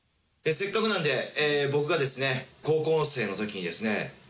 せっかくなんで僕がですね高校生の時にですね